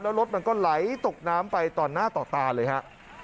แล้วรถมันก็ไหลตกน้ำไปต่อหน้าต่อตาเลยฮะ